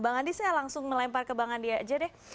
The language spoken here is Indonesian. bang andi saya langsung melempar ke bang andi aja deh